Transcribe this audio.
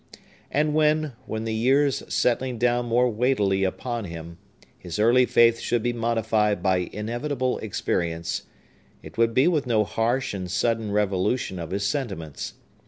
And when, with the years settling down more weightily upon him, his early faith should be modified by inevitable experience, it would be with no harsh and sudden revolution of his sentiments.